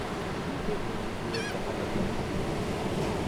Notevole l'influenza palladiana.